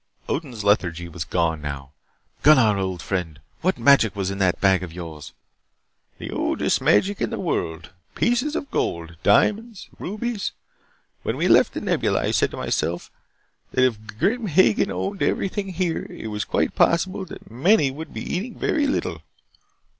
Odin's lethargy was gone now. "Gunnar, old friend! What magic was in that bag of yours?" "The oldest magic in the world. Pieces of gold, diamonds, and rubies. When we left the Nebula I said to myself that if Grim Hagen owned everything here, it was quite possible that many would be eating very little.